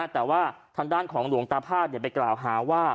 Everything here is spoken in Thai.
แต่ว่าทางด้านของหลวงตาพาดไปกล่าวหาว่า